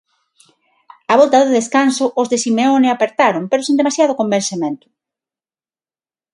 Á volta do descanso os de Simeone apertaron pero sen demasiado convencemento.